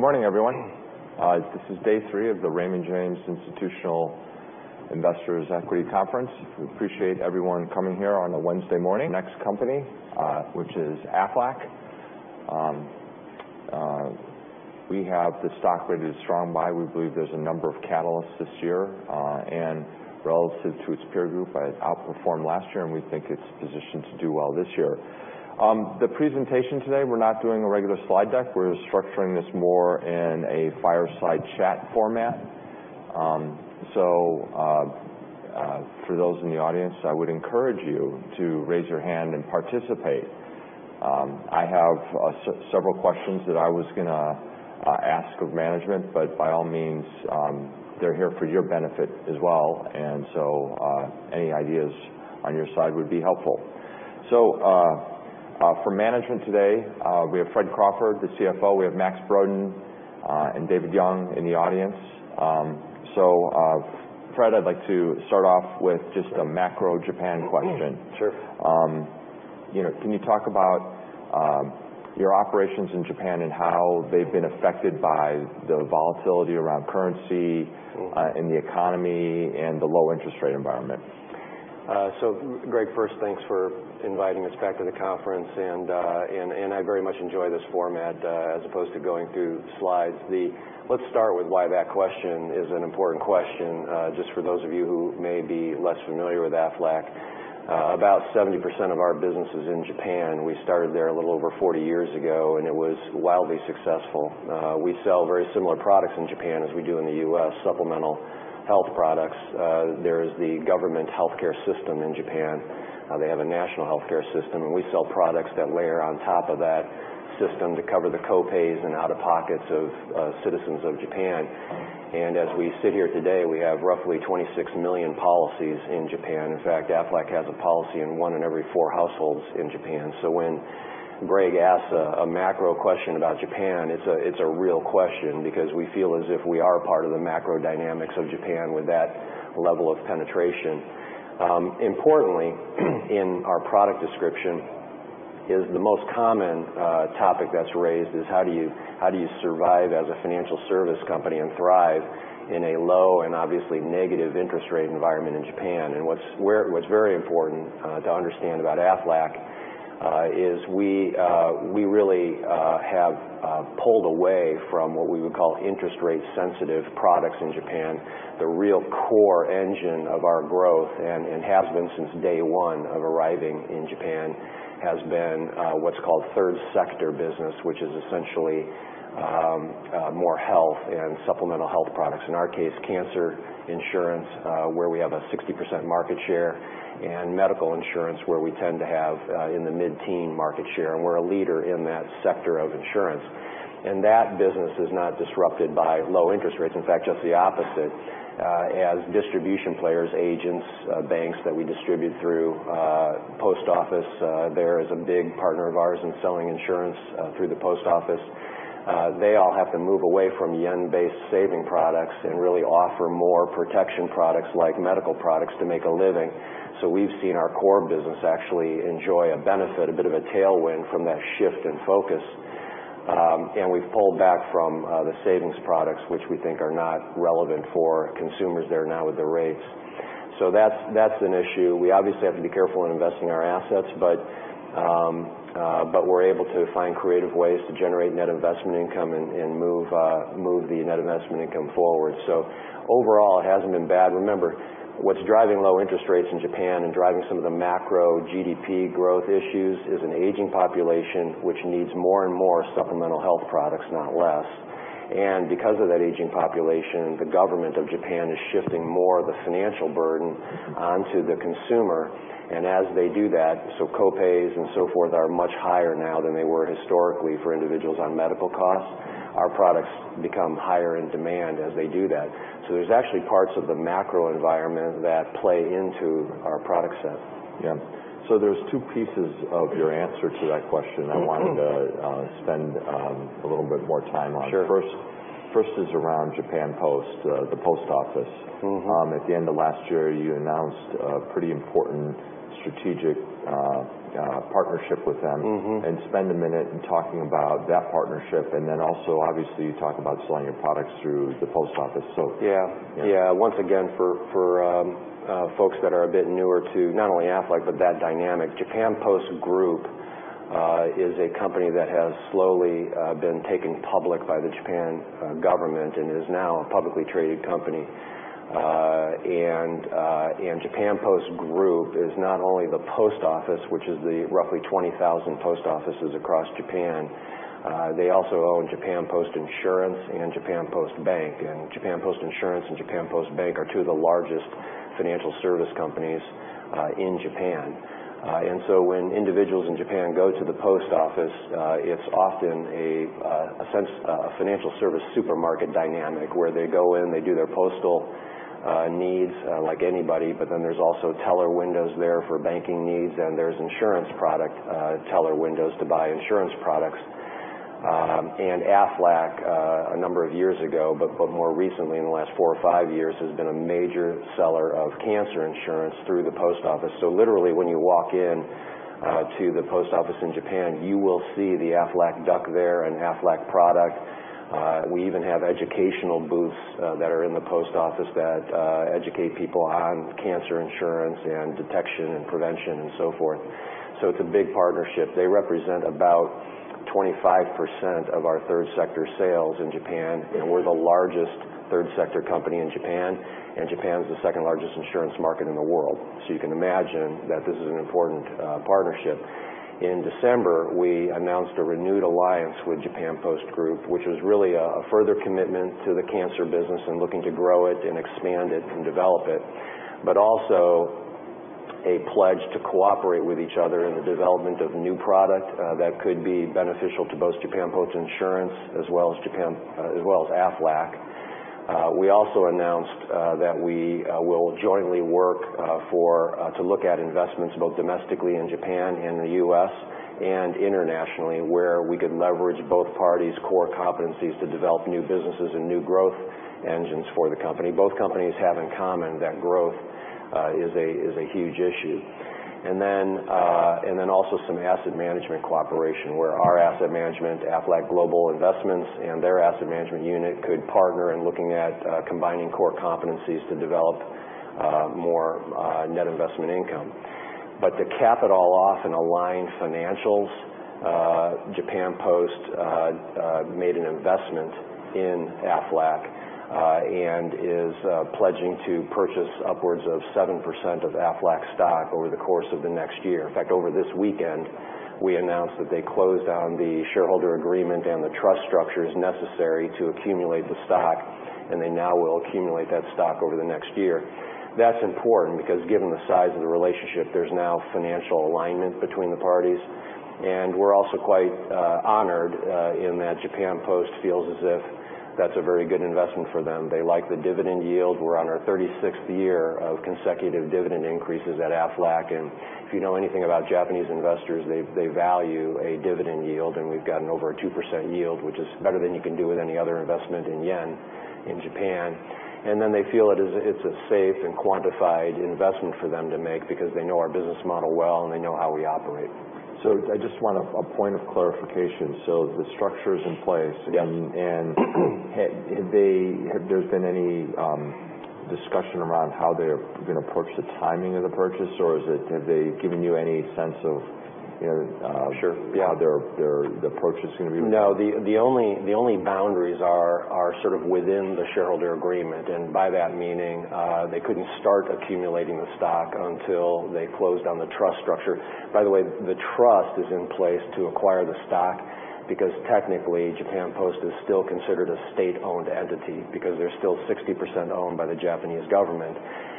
Good morning, everyone. This is day three of the Raymond James Institutional Investors Equity Conference. We appreciate everyone coming here on a Wednesday morning. Next company, which is Aflac. We have the stock rated as strong buy. We believe there is a number of catalysts this year, and relative to its peer group, it outperformed last year, and we think it is positioned to do well this year. The presentation today, we are not doing a regular slide deck. We are structuring this more in a fireside chat format. For those in the audience, I would encourage you to raise your hand and participate. I have several questions that I was going to ask of management, but by all means, they are here for your benefit as well, and any ideas on your side would be helpful. For management today, we have Fred Crawford, the CFO. We have Max Brodén and David Young in the audience. Fred, I would like to start off with just a macro Japan question. Sure. Can you talk about your operations in Japan and how they have been affected by the volatility around currency in the economy and the low interest rate environment? Greg, first, thanks for inviting us back to the conference, and I very much enjoy this format as opposed to going through slides. Let us start with why that question is an important question, just for those of you who may be less familiar with Aflac. About 70% of our business is in Japan. We started there a little over 40 years ago, and it was wildly successful. We sell very similar products in Japan as we do in the U.S., supplemental health products. There is the government healthcare system in Japan. They have a national healthcare system, and we sell products that layer on top of that system to cover the co-pays and out-of-pockets of citizens of Japan. As we sit here today, we have roughly 26 million policies in Japan. In fact, Aflac has a policy in one in every four households in Japan. When Greg asks a macro question about Japan, it's a real question because we feel as if we are part of the macro dynamics of Japan with that level of penetration. Importantly, in our product description is the most common topic that's raised is how do you survive as a financial service company and thrive in a low and obviously negative interest rate environment in Japan? What's very important to understand about Aflac is we really have pulled away from what we would call interest rate sensitive products in Japan. The real core engine of our growth, and has been since day one of arriving in Japan, has been what's called third sector business, which is essentially more health and supplemental health products. In our case, cancer insurance, where we have a 60% market share, and medical insurance, where we tend to have in the mid-teen market share. We're a leader in that sector of insurance. That business is not disrupted by low interest rates. In fact, just the opposite. As distribution players, agents, banks that we distribute through, post office there is a big partner of ours in selling insurance through the post office. They all have to move away from yen-based saving products and really offer more protection products like medical products to make a living. We've seen our core business actually enjoy a benefit, a bit of a tailwind from that shift in focus. We've pulled back from the savings products, which we think are not relevant for consumers there now with the rates. That's an issue. We obviously have to be careful in investing our assets, but we're able to find creative ways to generate net investment income and move the net investment income forward. Overall, it hasn't been bad. Remember, what's driving low interest rates in Japan and driving some of the macro GDP growth issues is an aging population, which needs more and more supplemental health products, not less. Because of that aging population, the government of Japan is shifting more of the financial burden onto the consumer. As they do that, co-pays and so forth are much higher now than they were historically for individuals on medical costs. Our products become higher in demand as they do that. There's actually parts of the macro environment that play into our product set. Yeah. There's two pieces of your answer to that question I wanted to spend a little bit more time on. Sure. First is around Japan Post, the post office. At the end of last year, you announced a pretty important strategic partnership with them. Spend a minute in talking about that partnership, and then also obviously talk about selling your products through the post office. Yeah. Yeah. Yeah. Once again, for folks that are a bit newer to not only Aflac but that dynamic, Japan Post Group is a company that has slowly been taken public by the Japan government and is now a publicly traded company. Japan Post Group is not only the post office, which is the roughly 20,000 post offices across Japan. They also own Japan Post Insurance and Japan Post Bank. Japan Post Insurance and Japan Post Bank are two of the largest financial service companies in Japan. When individuals in Japan go to the post office, it's often a financial service supermarket dynamic where they go in, they do their postal needs like anybody, but then there's also teller windows there for banking needs, and there's insurance product teller windows to buy insurance products. Aflac, a number of years ago, but more recently in the last four or five years, has been a major seller of cancer insurance through the post office. Literally when you walk in to the post office in Japan, you will see the Aflac duck there and Aflac product. We even have educational booths that are in the post office that educate people on cancer insurance and detection and prevention and so forth. It's a big partnership. They represent about 25% of our third sector sales in Japan, and we're the largest third sector company in Japan, and Japan's the second largest insurance market in the world. You can imagine that this is an important partnership. In December, we announced a renewed alliance with Japan Post Group, which was really a further commitment to the cancer business and looking to grow it and expand it and develop it, but also a pledge to cooperate with each other in the development of new product that could be beneficial to both Japan Post Insurance as well as Aflac. We also announced that we will jointly work to look at investments both domestically in Japan and the U.S., and internationally, where we could leverage both parties' core competencies to develop new businesses and new growth engines for the company. Both companies have in common that growth is a huge issue. Also some asset management cooperation where our asset management, Aflac Global Investments, and their asset management unit could partner in looking at combining core competencies to develop more net investment income. To cap it all off and align financials, Japan Post made an investment in Aflac and is pledging to purchase upwards of 7% of Aflac stock over the course of the next year. In fact, over this weekend, we announced that they closed on the shareholder agreement and the trust structures necessary to accumulate the stock, and they now will accumulate that stock over the next year. That's important because, given the size of the relationship, there's now financial alignment between the parties. We're also quite honored in that Japan Post feels as if that's a very good investment for them. They like the dividend yield. We're on our 36th year of consecutive dividend increases at Aflac, if you know anything about Japanese investors, they value a dividend yield, we've got an over 2% yield, which is better than you can do with any other investment in yen in Japan. They feel it's a safe and quantified investment for them to make because they know our business model well, and they know how we operate. I just want a point of clarification. The structure's in place. Yes. Have there been any discussion around how they're going to approach the timing of the purchase, or have they given you any? Sure, yeah. How their approach is going to be? No, the only boundaries are sort of within the shareholder agreement. By that meaning, they couldn't start accumulating the stock until they closed on the trust structure. By the way, the trust is in place to acquire the stock because technically, Japan Post is still considered a state-owned entity because they're still 60% owned by the Japanese government.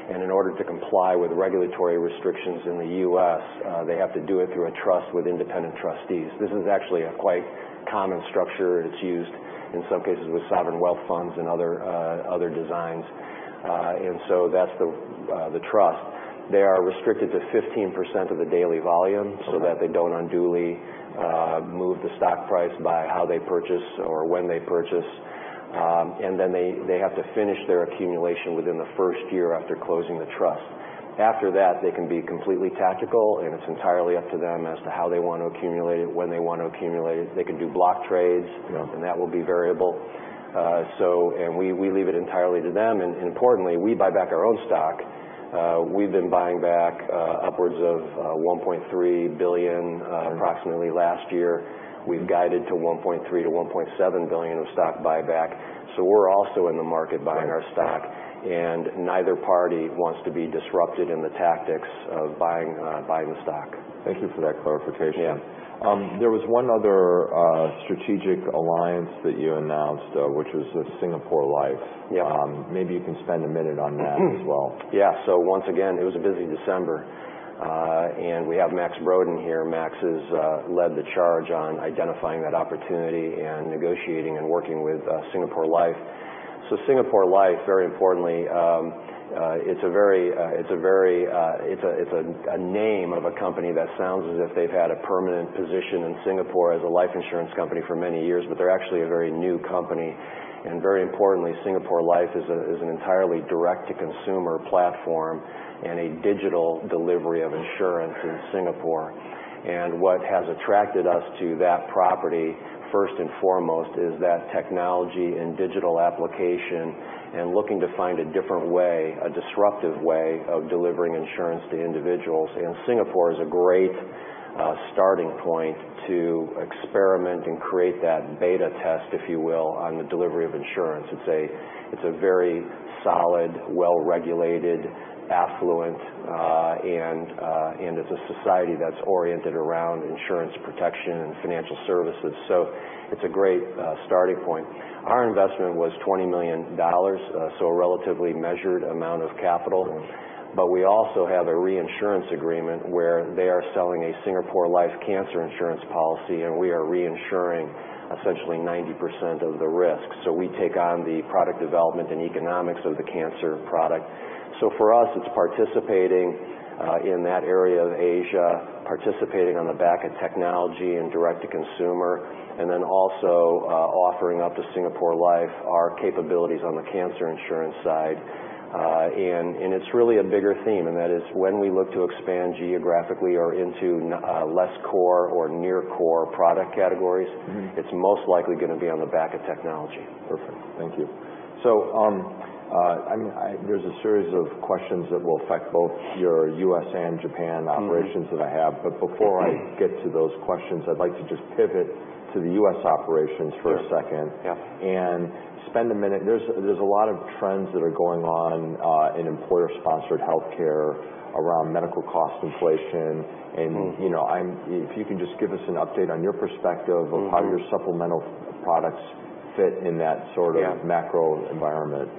In order to comply with regulatory restrictions in the U.S., they have to do it through a trust with independent trustees. This is actually a quite common structure. It's used in some cases with sovereign wealth funds and other designs. That's the trust. They are restricted to 15% of the daily volume so that they don't unduly move the stock price by how they purchase or when they purchase. They have to finish their accumulation within the first year after closing the trust. After that, they can be completely tactical. It's entirely up to them as to how they want to accumulate it, when they want to accumulate it. They can do block trades. Yeah. That will be variable. We leave it entirely to them. Importantly, we buy back our own stock. We've been buying back upwards of $1.3 billion approximately last year. We've guided to $1.3 billion-$1.7 billion of stock buyback. We're also in the market buying our stock. Neither party wants to be disrupted in the tactics of buying the stock. Thank you for that clarification. Yeah. There was one other strategic alliance that you announced, which was with Singapore Life. Yeah. Maybe you can spend a minute on that as well. Yeah. Once again, it was a busy December. We have Max Brodén here. Max has led the charge on identifying that opportunity and negotiating and working with Singapore Life. Singapore Life, very importantly, it's a name of a company that sounds as if they've had a permanent position in Singapore as a life insurance company for many years, but they're actually a very new company. Very importantly, Singapore Life is an entirely direct-to-consumer platform and a digital delivery of insurance in Singapore. What has attracted us to that property, first and foremost, is that technology and digital application and looking to find a different way, a disruptive way of delivering insurance to individuals. Singapore is a great starting point to experiment and create that beta test, if you will, on the delivery of insurance. It's a very solid, well-regulated, affluent, and it's a society that's oriented around insurance protection and financial services. It's a great starting point. Our investment was $20 million, a relatively measured amount of capital. We also have a reinsurance agreement where they are selling a Singapore Life cancer insurance policy, and we are reinsuring essentially 90% of the risk. We take on the product development and economics of the cancer product. For us, it's participating in that area of Asia, participating on the back of technology and direct-to-consumer, then also offering up to Singapore Life our capabilities on the cancer insurance side. It's really a bigger theme, and that is when we look to expand geographically or into less core or near core product categories, it's most likely going to be on the back of technology. Perfect. Thank you. There's a series of questions that will affect both your U.S. and Japan operations that I have. Before I get to those questions, I'd like to just pivot to the U.S. operations for a second. Sure. Yeah. Spend a minute. There's a lot of trends that are going on in employer-sponsored healthcare around medical cost inflation, and if you can just give us an update on your perspective of how your supplemental products fit in that sort of macro environment.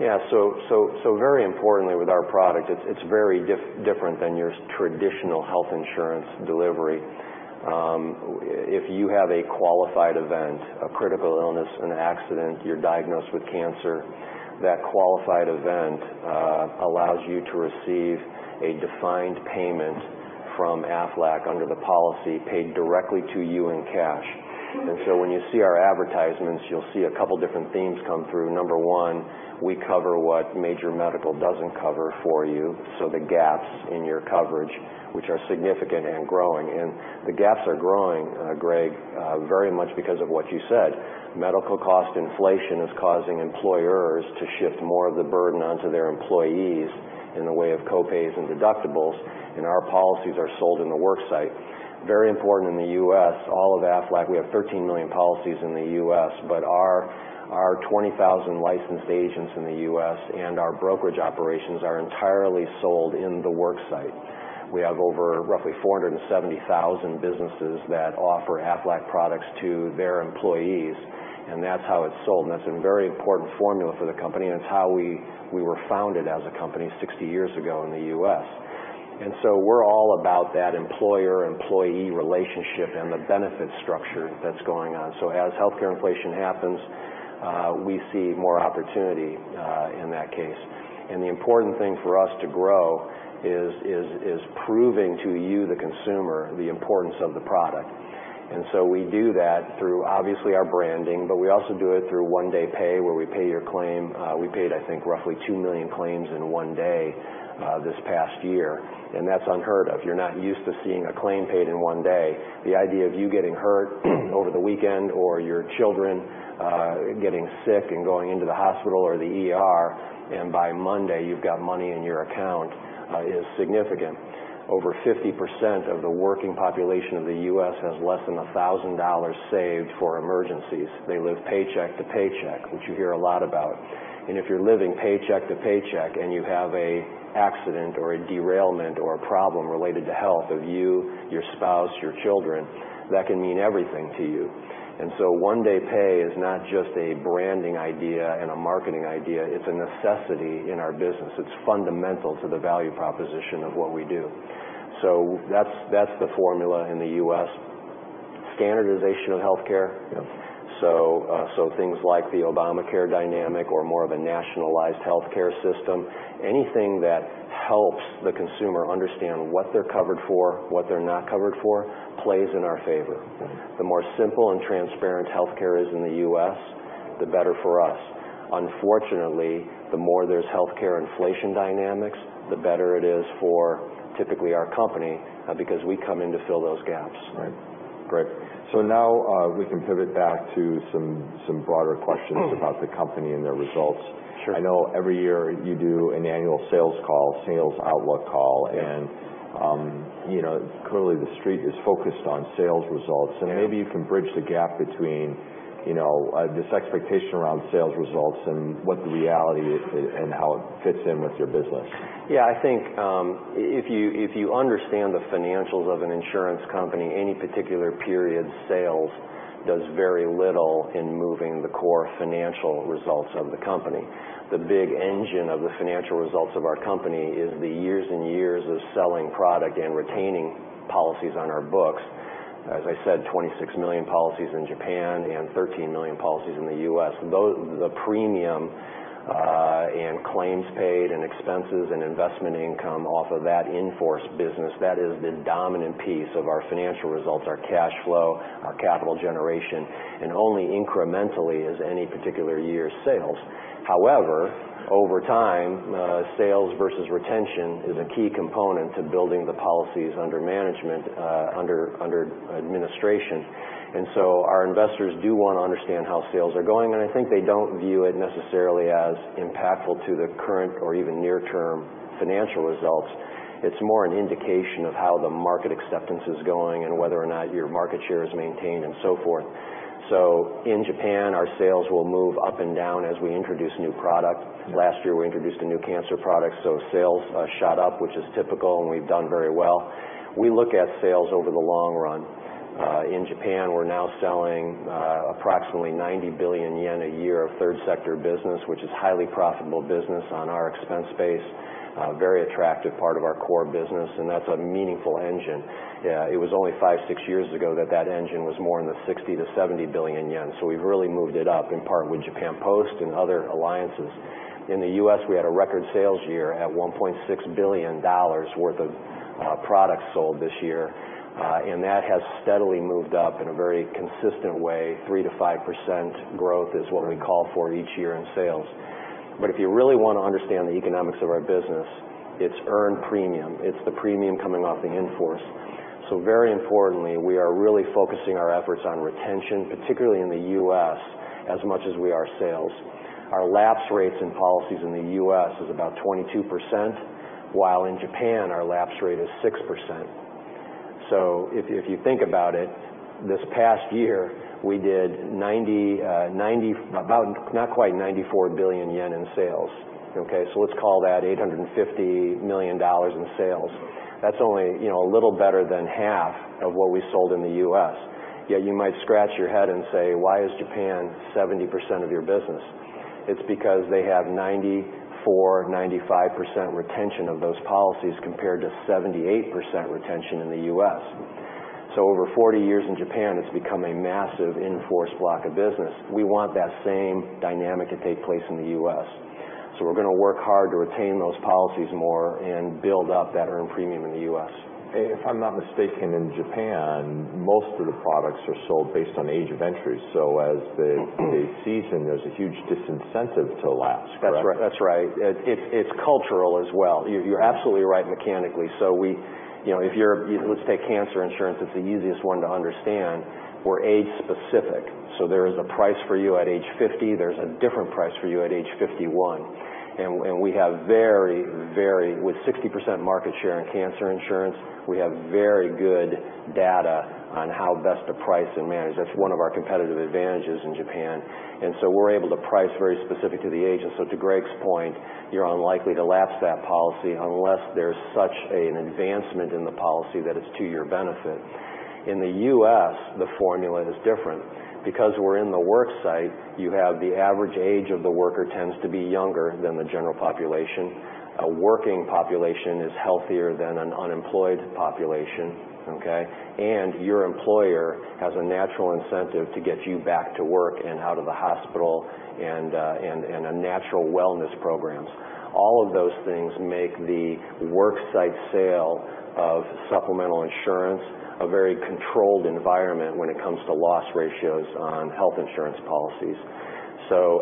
Yeah. Very importantly with our product, it's very different than your traditional health insurance delivery. If you have a qualified event, a critical illness, an accident, you're diagnosed with cancer, that qualified event allows you to receive a defined payment from Aflac under the policy paid directly to you in cash. When you see our advertisements, you'll see a couple different themes come through. Number 1, we cover what major medical doesn't cover for you, so the gaps in your coverage, which are significant and growing. The gaps are growing, Greg, very much because of what you said. Medical cost inflation is causing employers to shift more of the burden onto their employees in the way of co-pays and deductibles, and our policies are sold in the work site. Very important in the U.S., all of Aflac, we have 13 million policies in the U.S., but our 20,000 licensed agents in the U.S. and our brokerage operations are entirely sold in the work site. We have over roughly 470,000 businesses that offer Aflac products to their employees, and that's how it's sold. That's a very important formula for the company, and it's how we were founded as a company 60 years ago in the U.S. We're all about that employer-employee relationship and the benefit structure that's going on. As healthcare inflation happens, we see more opportunity in that case. The important thing for us to grow is proving to you, the consumer, the importance of the product. We do that through obviously our branding, but we also do it through One Day Pay where we pay your claim. We paid, I think, roughly 2 million claims in one day this past year, and that's unheard of. You're not used to seeing a claim paid in one day. The idea of you getting hurt over the weekend or your children getting sick and going into the hospital or the ER, and by Monday you've got money in your account, is significant. Over 50% of the working population of the U.S. has less than $1,000 saved for emergencies. They live paycheck to paycheck, which you hear a lot about. If you're living paycheck to paycheck and you have an accident or a derailment or a problem related to health of you, your spouse, your children, that can mean everything to you. One Day Pay is not just a branding idea and a marketing idea, it's a necessity in our business. It's fundamental to the value proposition of what we do. That's the formula in the U.S. Standardization of healthcare. Yeah. Things like the Obamacare dynamic or more of a nationalized healthcare system, anything that helps the consumer understand what they're covered for, what they're not covered for, plays in our favor. Yeah. The more simple and transparent healthcare is in the U.S., the better for us. Unfortunately, the more there's healthcare inflation dynamics, the better it is for typically our company, because we come in to fill those gaps. Right. Great. Now we can pivot back to some broader questions about the company and the results. Sure. I know every year you do an annual sales call, sales outlook call. Yeah. Clearly the street is focused on sales results. Yeah. Maybe you can bridge the gap between this expectation around sales results and what the reality is and how it fits in with your business. I think if you understand the financials of an insurance company, any particular period's sales does very little in moving the core financial results of the company. The big engine of the financial results of our company is the years and years of selling product and retaining policies on our books. As I said, 26 million policies in Japan and 13 million policies in the U.S. The premium in claims paid and expenses and investment income off of that in-force business, that is the dominant piece of our financial results, our cash flow, our capital generation, and only incrementally is any particular year's sales. Over time, sales versus retention is a key component to building the policies under management, under administration. Our investors do want to understand how sales are going, and I think they don't view it necessarily as impactful to the current or even near term financial results. It's more an indication of how the market acceptance is going and whether or not your market share is maintained and so forth. In Japan, our sales will move up and down as we introduce new product. Last year, we introduced a new cancer product, so sales shot up, which is typical, and we've done very well. We look at sales over the long run. In Japan, we're now selling approximately 90 billion yen a year of third sector business, which is highly profitable business on our expense base, a very attractive part of our core business, and that's a meaningful engine. It was only five, six years ago that that engine was more in the 60 billion-70 billion yen. We've really moved it up, in part with Japan Post and other alliances. In the U.S., we had a record sales year at $1.6 billion worth of products sold this year. That has steadily moved up in a very consistent way. 3%-5% growth is what we call for each year in sales. If you really want to understand the economics of our business, it's earned premium. It's the premium coming off the in-force. Very importantly, we are really focusing our efforts on retention, particularly in the U.S., as much as we are sales. Our lapse rates in policies in the U.S. is about 22%, while in Japan, our lapse rate is 6%. If you think about it, this past year, we did not quite 94 billion yen in sales. Okay? Let's call that $850 million in sales. That's only a little better than half of what we sold in the U.S. Yet you might scratch your head and say, "Why is Japan 70% of your business?" It's because they have 94%-95% retention of those policies, compared to 78% retention in the U.S. Over 40 years in Japan, it's become a massive in-force block of business. We want that same dynamic to take place in the U.S. We're going to work hard to retain those policies more and build up that earned premium in the U.S. If I'm not mistaken, in Japan, most of the products are sold based on age of entry. As they cease, there's a huge disincentive to lapse, correct? That's right. It's cultural as well. You're absolutely right mechanically. Let's take cancer insurance. It's the easiest one to understand. We're age specific. There is a price for you at age 50. There's a different price for you at age 51. With 60% market share in cancer insurance, we have very good data on how best to price and manage. That's one of our competitive advantages in Japan. We're able to price very specific to the agent. To Greg's point, you're unlikely to lapse that policy unless there's such an advancement in the policy that it's to your benefit. In the U.S., the formula is different. Because we're in the work site, you have the average age of the worker tends to be younger than the general population. A working population is healthier than an unemployed population, okay? Your employer has a natural incentive to get you back to work and out of the hospital and a natural wellness programs. All of those things make the work site sale of supplemental insurance a very controlled environment when it comes to loss ratios on health insurance policies.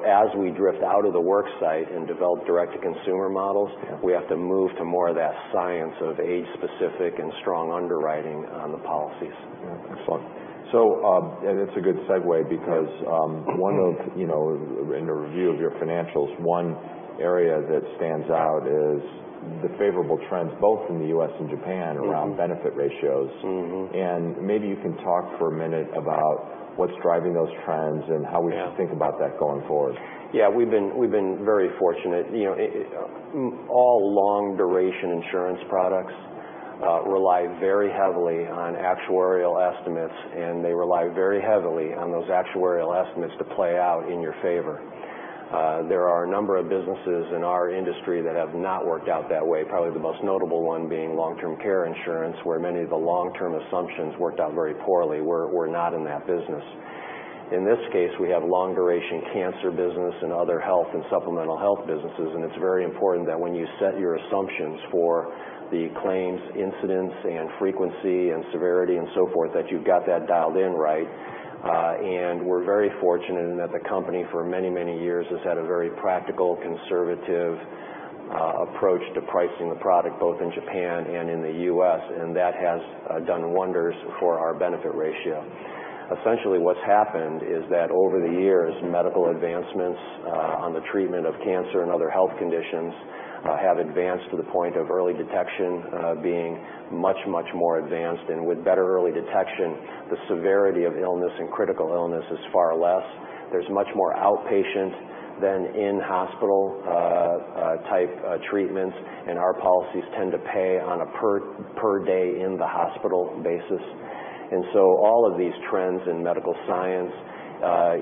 As we drift out of the work site and develop direct-to-consumer models- Yeah we have to move to more of that science of age specific and strong underwriting on the policies. Yeah. Excellent. It's a good segue because in the review of your financials, one area that stands out is the favorable trends, both in the U.S. and Japan around benefit ratios. Maybe you can talk for a minute about what's driving those trends and how we should think about that going forward. We've been very fortunate. All long duration insurance products rely very heavily on actuarial estimates, and they rely very heavily on those actuarial estimates to play out in your favor. There are a number of businesses in our industry that have not worked out that way, probably the most notable one being long-term care insurance, where many of the long-term assumptions worked out very poorly. We're not in that business. In this case, we have long duration cancer business and other health and supplemental health businesses, and it's very important that when you set your assumptions for the claims incidence and frequency and severity and so forth, that you've got that dialed in right. We're very fortunate in that the company, for many, many years, has had a very practical, conservative approach to pricing the product, both in Japan and in the U.S., and that has done wonders for our benefit ratio. Essentially, what's happened is that over the years, medical advancements on the treatment of cancer and other health conditions have advanced to the point of early detection being much, much more advanced. With better early detection, the severity of illness and critical illness is far less. There's much more outpatient than in-hospital type treatments, and our policies tend to pay on a per day in the hospital basis. All of these trends in medical science,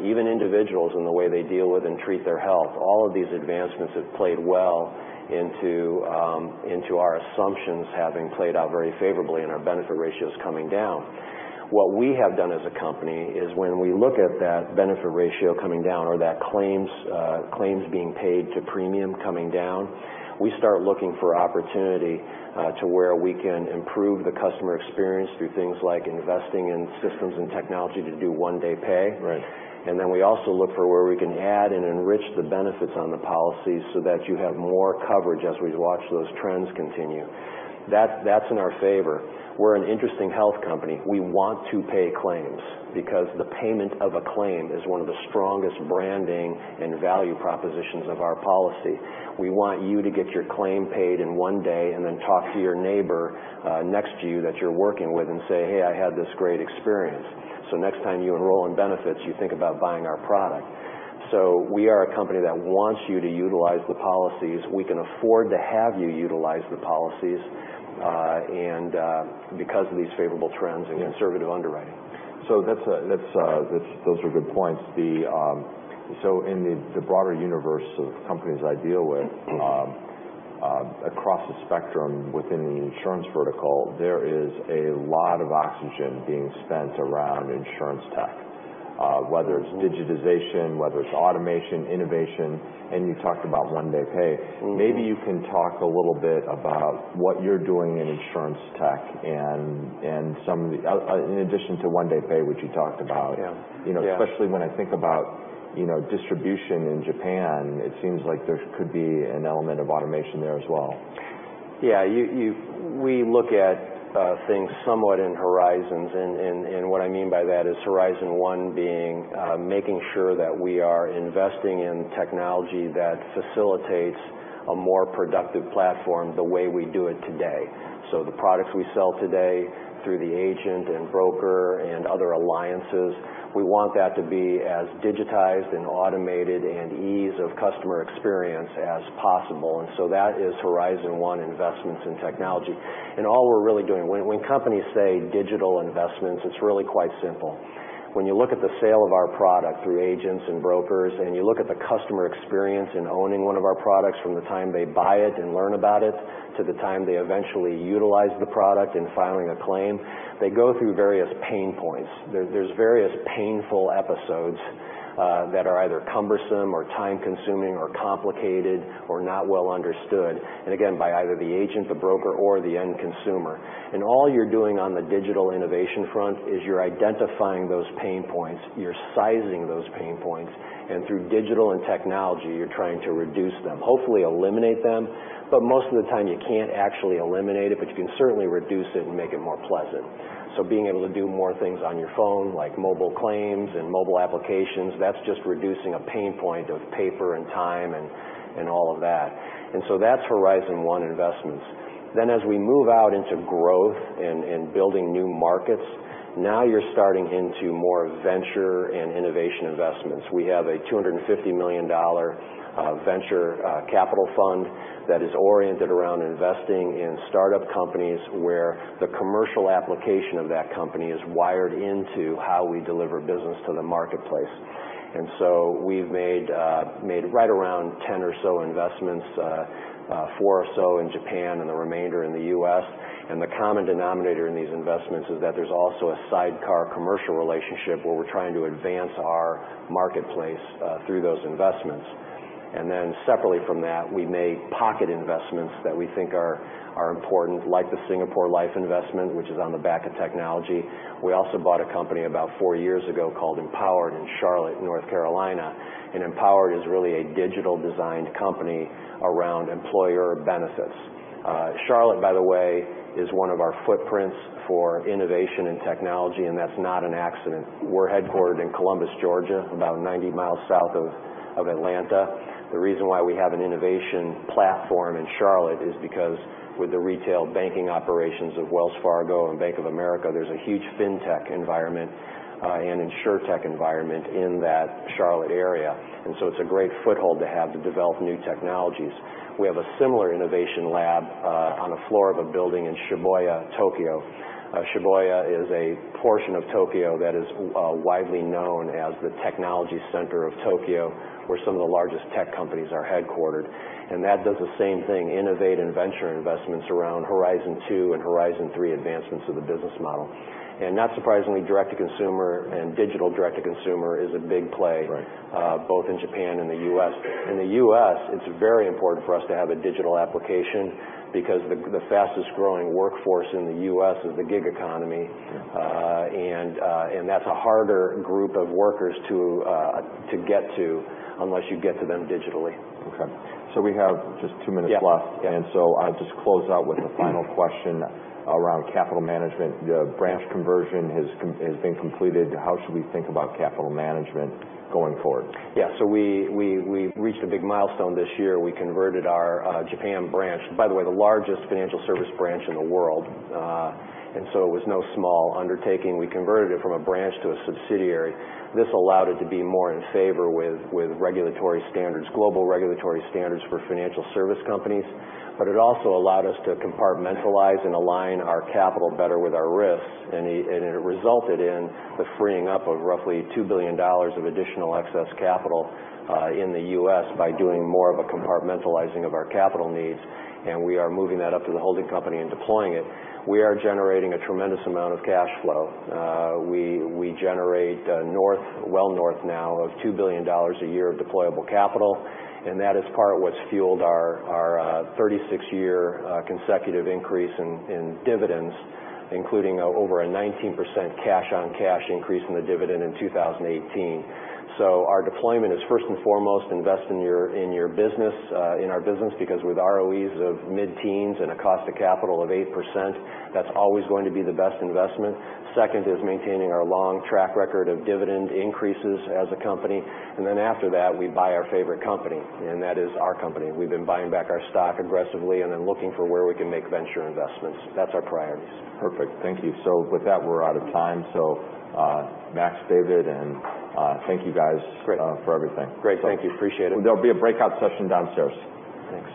even individuals and the way they deal with and treat their health, all of these advancements have played well into our assumptions having played out very favorably and our benefit ratios coming down. What we have done as a company is when we look at that benefit ratio coming down or that claims being paid to premium coming down, we start looking for opportunity to where we can improve the customer experience through things like investing in systems and technology to do One Day Pay. Right. We also look for where we can add and enrich the benefits on the policy so that you have more coverage as we watch those trends continue. That's in our favor. We're an interesting health company. We want to pay claims because the payment of a claim is one of the strongest branding and value propositions of our policy. We want you to get your claim paid in one day and then talk to your neighbor next to you that you're working with and say, "Hey, I had this great experience." Next time you enroll in benefits, you think about buying our product. We are a company that wants you to utilize the policies. We can afford to have you utilize the policies because of these favorable trends and conservative underwriting. Those are good points. In the broader universe of companies I deal with, across the spectrum within the insurance vertical, there is a lot of oxygen being spent around Insurtech. Whether it's digitization, whether it's automation, innovation, and you talked about One Day Pay. Maybe you can talk a little bit about what you're doing in Insurtech in addition to One Day Pay, which you talked about. Yeah. Especially when I think about distribution in Japan, it seems like there could be an element of automation there as well. Yeah. We look at things somewhat in horizons, what I mean by that is horizon one being making sure that we are investing in technology that facilitates a more productive platform the way we do it today. The products we sell today through the agent and broker and other alliances, we want that to be as digitized and automated and ease of customer experience as possible, that is horizon one investments in technology. All we're really doing, when companies say digital investments, it's really quite simple. When you look at the sale of our product through agents and brokers, you look at the customer experience in owning one of our products from the time they buy it and learn about it to the time they eventually utilize the product in filing a claim, they go through various pain points. There's various painful episodes that are either cumbersome or time-consuming or complicated or not well understood, again, by either the agent, the broker, or the end consumer. All you're doing on the digital innovation front is you're identifying those pain points, you're sizing those pain points, through digital and technology, you're trying to reduce them. Hopefully eliminate them, but most of the time you can't actually eliminate it, but you can certainly reduce it and make it more pleasant. Being able to do more things on your phone, like mobile claims and mobile applications, that's just reducing a pain point of paper and time and all of that. That's horizon one investments. As we move out into growth and building new markets, now you're starting into more venture and innovation investments. We have a $250 million venture capital fund that is oriented around investing in startup companies where the commercial application of that company is wired into how we deliver business to the marketplace. We've made right around 10 or so investments, four or so in Japan and the remainder in the U.S., the common denominator in these investments is that there's also a sidecar commercial relationship where we're trying to advance our marketplace through those investments. Separately from that, we made pocket investments that we think are important, like the Singapore Life investment, which is on the back of technology. We also bought a company about four years ago called Empower in Charlotte, North Carolina, Empower is really a digital designed company around employer benefits. Charlotte, by the way, is one of our footprints for innovation and technology, that's not an accident. We're headquartered in Columbus, Georgia, about 90 miles south of Atlanta. The reason why we have an innovation platform in Charlotte is because with the retail banking operations of Wells Fargo and Bank of America, there's a huge fintech environment and Insurtech environment in that Charlotte area. It's a great foothold to have to develop new technologies. We have a similar innovation lab on a floor of a building in Shibuya, Tokyo. Shibuya is a portion of Tokyo that is widely known as the technology center of Tokyo, where some of the largest tech companies are headquartered. That does the same thing, innovate and venture investments around horizon two and horizon three advancements of the business model. Not surprisingly, direct-to-consumer and digital direct-to-consumer is a big play. Right both in Japan and the U.S. In the U.S., it's very important for us to have a digital application because the fastest growing workforce in the U.S. is the gig economy. Yeah. That's a harder group of workers to get to unless you get to them digitally. Okay. We have just two minutes left. Yeah. I'll just close out with the final question around capital management. The branch conversion has been completed. How should we think about capital management going forward? Yeah. We reached a big milestone this year. We converted our Japan branch, by the way, the largest financial service branch in the world. It was no small undertaking. We converted it from a branch to a subsidiary. This allowed it to be more in favor with regulatory standards, global regulatory standards for financial service companies. It also allowed us to compartmentalize and align our capital better with our risks, and it resulted in the freeing up of roughly $2 billion of additional excess capital in the U.S. by doing more of a compartmentalizing of our capital needs, and we are moving that up to the holding company and deploying it. We are generating a tremendous amount of cash flow. We generate well north now of $2 billion a year of deployable capital, and that is part of what's fueled our 36-year consecutive increase in dividends, including over a 19% cash on cash increase in the dividend in 2018. Our deployment is first and foremost invest in our business because with ROEs of mid-teens and a cost of capital of 8%, that's always going to be the best investment. Second is maintaining our long track record of dividend increases as a company. After that, we buy our favorite company, and that is our company. We've been buying back our stock aggressively and looking for where we can make venture investments. That's our priorities. Perfect. Thank you. Max, David, thank you guys. Great for everything. Great. Thank you. Appreciate it. There'll be a breakout session downstairs. Thanks.